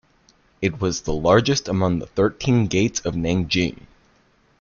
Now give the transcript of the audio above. It was the largest among the thirteen gates of Nanjing.